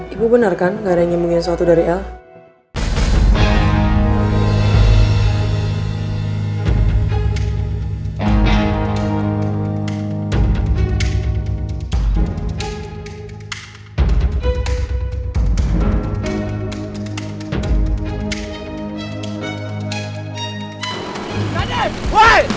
pintu bener kan gak ada yang ngibungin soal suatu dari el